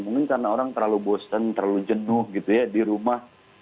mungkin karena orang terlalu bosen terlalu jenuh gitu ya di rumah